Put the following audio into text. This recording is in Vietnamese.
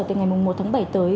từ ngày một tháng bảy tới